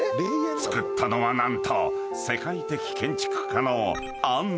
［造ったのは何と世界的建築家の］